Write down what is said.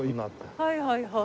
はいはいはい。